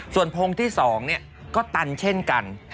ส่วนพงที่๒ก็ตันเช่นกัน